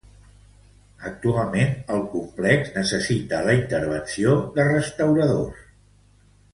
Actualment el complex necessita la intervenció de restauradors.